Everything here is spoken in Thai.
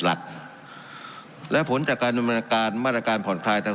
หลักและผลจากการดำเนินการมาตรการผ่อนคลายต่าง